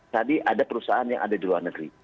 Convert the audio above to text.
tadi ada perusahaan yang ada di luar negeri